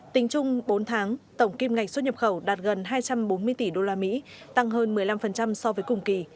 tính chung bốn tháng tổng kim ngạch xuất nhập khẩu đạt gần hai trăm bốn mươi tỷ usd tăng hơn một mươi năm so với cùng kỳ